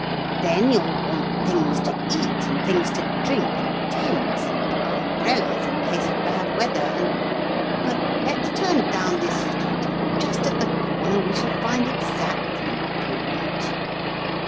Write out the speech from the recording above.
'Then you'll want things to eat and things to drink and tents and umbrellas in case of bad weather, and But let's turn down this street; just at the corner we shall find exactly what we want.'